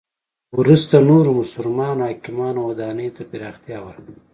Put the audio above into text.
وروسته نورو مسلمانو حاکمانو ودانی ته پراختیا ورکړه.